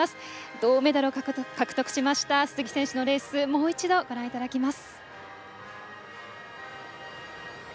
銅メダルを獲得しました鈴木選手のレースをもう一度、ご覧いただきます。